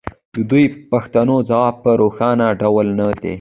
د دې پوښتنو ځواب په روښانه ډول نه دی